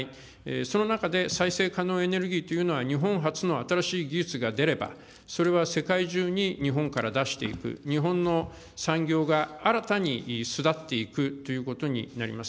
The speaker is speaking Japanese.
その中で再生可能エネルギーというのは、日本初の新しい技術が出れば、それは世界中に日本から出していく、日本の産業が新たに巣立っていくということになります。